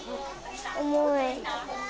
重い。